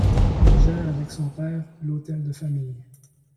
Il gère avec son père l'hôtel de famille.